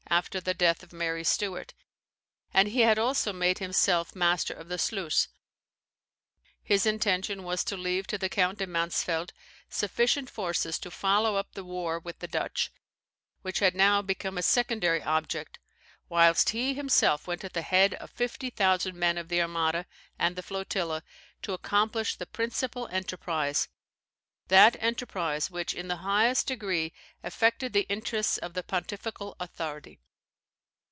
after the death of Mary Stuart, and he had also made himself master of the Sluys. His intention was to leave to the Count de Mansfeldt sufficient forces to follow up the war with the Dutch, which had now become a secondary object, whilst he himself went at the head of fifty thousand men of the Armada and the flotilla, to accomplish the principal enterprise that enterprise, which, in the highest degree, affected the interests of the pontifical authority.